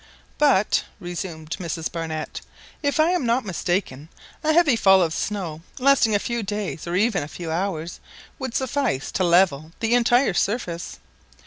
"But," resumed Mrs Barnett, "if I am not mistaken, a heavy fall of snow, lasting a few days or even a few hours, would suffice to level the entire surface!"